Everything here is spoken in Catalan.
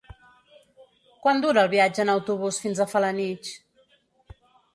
Quant dura el viatge en autobús fins a Felanitx?